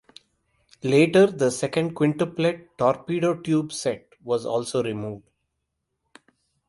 Later the second quintuplet torpedo tube set was also removed.